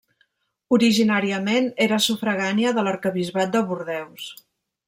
Originàriament era sufragània de l'arquebisbat de Bordeus.